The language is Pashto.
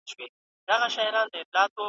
پاس به د اسمان پر لمن وګرځو عنقا به سو .